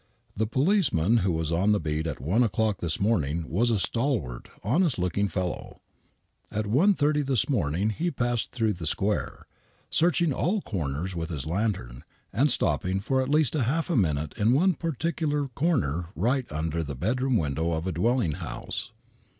The policeman who was on the beat at 1 o'clock this morning was a stalwart, honest looking fellow. . ■^'SsCr S'S;!'., 36 THE WHITECHAPEL MURDERS At 1.30 this morning he passed through the square, searching all corners with his lantern and stopping for at least half a minute in one particular corner right under the bedroom windows of a dwelling house.